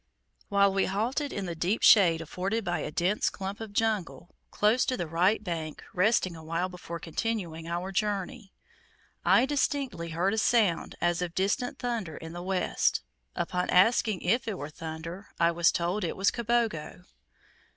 While we halted in the deep shade afforded by a dense clump of jungle, close to the right bank, resting awhile before continuing our journey. I distinctly heard a sound as of distant thunder in the west. Upon asking if it were thunder, I was told it was Kabogo.